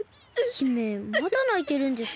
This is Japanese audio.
姫まだないてるんですか？